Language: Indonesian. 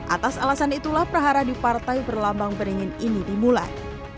atas alasan itulah prahara di partai berlambang beringin ini dimulai